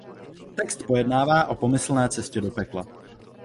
Text pojednává o pomyslné cestě do pekla.